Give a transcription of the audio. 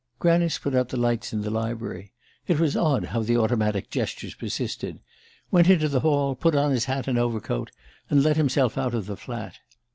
Granice put out the lights in the library it was odd how the automatic gestures persisted! went into the hall, put on his hat and overcoat, and let himself out of the flat.